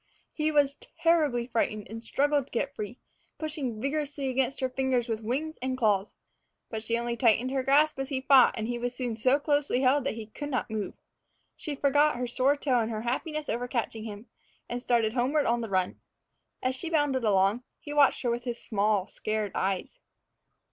He was terribly frightened and struggled to get free, pushing vigorously against her fingers with wings and claws. But she only tightened her grasp as he fought, and he was soon so closely held that he could not move. She forgot her sore toe in her happiness over catching him, and started homeward on the run. As she bounded along, he watched her with his small, scared eyes.